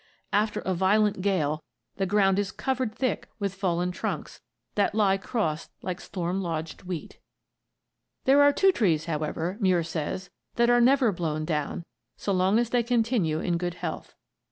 After a violent gale the ground is covered thick with fallen trunks that lie crossed like storm lodged wheat. Muir: "Mountains of California." There are two trees, however, Muir says, that are never blown down so long as they continue in good health.